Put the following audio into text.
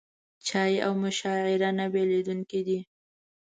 چای او مشاعره نه بېلېدونکي دي.